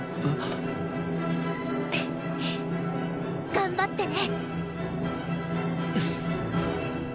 頑張ってね！